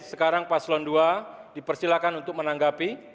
sekarang paslon dua dipersilakan untuk menanggapi